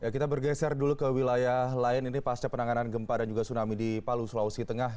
kita bergeser dulu ke wilayah lain ini pasca penanganan gempa dan juga tsunami di palu sulawesi tengah